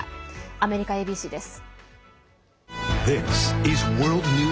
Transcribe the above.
アメリカＡＢＣです。